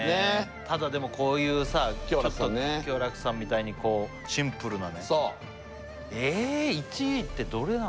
ただでもこういうさ共楽さんみたいにシンプルなね